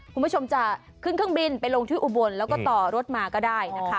คุณผู้ชมจะขึ้นเครื่องบินไปลงที่อุบลแล้วก็ต่อรถมาก็ได้นะคะ